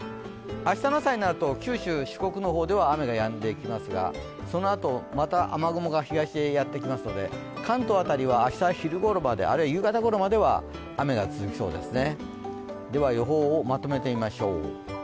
明日の朝になると、九州、四国の方では雨がやんでいきますが、そのあと、また雨雲が東へやってきますので関東辺りは明日昼ごろまで、夕方ごろまでは雨が続きそうですね。